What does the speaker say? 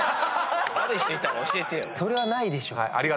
それはないでしょ。